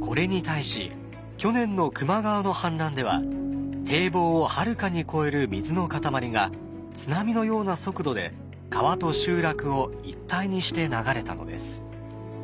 これに対し去年の球磨川の氾濫では堤防をはるかに越える水の塊が津波のような速度で川と集落を一体にして流れたのです。